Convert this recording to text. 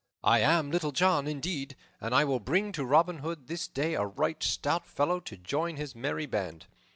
"I am Little John, indeed, and I will bring to Robin Hood this day a right stout fellow to join his merry band.